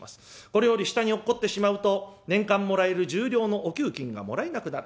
これより下に落っこってしまうと年間もらえる十両のお給金がもらえなくなる。